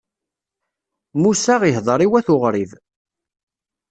Musa ihdeṛ i wat Uɣrib.